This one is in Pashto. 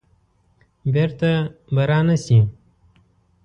بیرته به را نه شي.